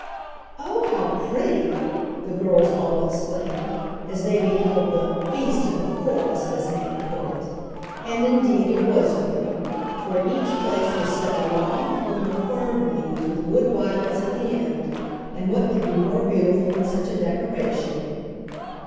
"Oh, how pretty!" the girls all exclaimed, as they beheld the "feast in the forest," as Nan put it. And indeed it was pretty, for at each place was set a long plume of fern leaves with wood violets at the end, and what could be more beautiful than such a decoration?